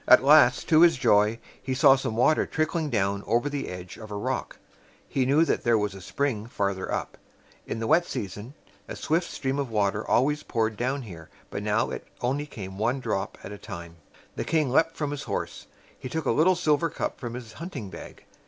At last, to his joy, he saw some water tric kling down over the edge of a rock. He knew that there was a spring farther up. In the wet season, a swift stream of water always poured down here; but now it came only one drop at a time. The king leaped from his horse. He took a little silver cup from his hunting bag.